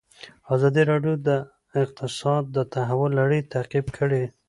ازادي راډیو د اقتصاد د تحول لړۍ تعقیب کړې.